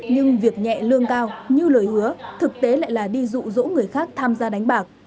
nhưng việc nhẹ lương cao như lời hứa thực tế lại là đi rụ rỗ người khác tham gia đánh bạc